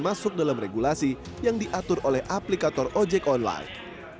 masuk dalam regulasi yang diatur oleh aplikator ojek online